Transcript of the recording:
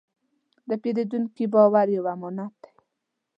د پیرودونکي باور یو امانت دی.